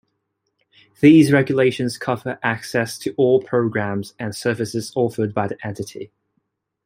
These regulations cover access to all programs and services offered by the entity.